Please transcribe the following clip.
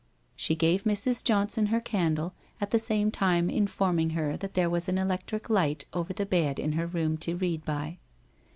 She gave Mrs. Johnson her candle, at the same time informing her that there was an electric light over the bed in her room to read by.